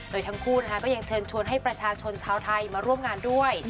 โดยทั้งคู่ก็ยังเชิญชวนให้ประชาชนชาวไทยมาร่วมงานด้วย